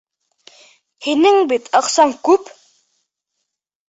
Һинең бит аҡсаң күп!